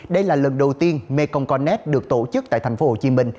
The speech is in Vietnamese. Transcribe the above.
đây là lần đầu tiên mekong connect được tổ chức tại thành phố hồ chí minh